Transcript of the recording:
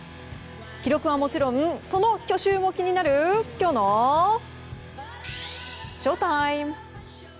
記録はもちろんその去就も気になるきょうのＳＨＯＴＩＭＥ。